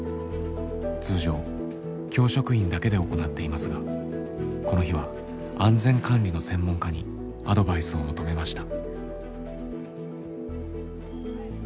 通常教職員だけで行っていますがこの日は安全管理の専門家にアドバイスを求めました。